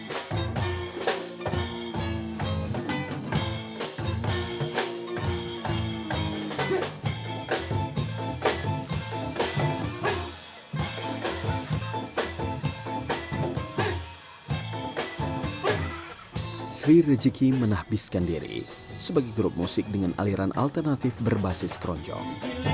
hai sri rejeki menahbiskan diri sebagai grup musik dengan aliran alternatif berbasis kronjong